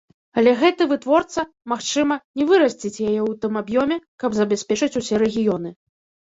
Але гэты вытворца, магчыма, не вырасціць яе ў тым аб'ёме, каб забяспечыць усе рэгіёны.